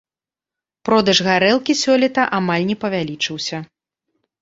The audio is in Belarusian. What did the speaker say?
Продаж гарэлкі сёлета амаль не павялічыўся.